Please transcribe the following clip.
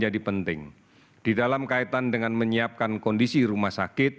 penting di dalam kaitan dengan menyiapkan kondisi rumah sakit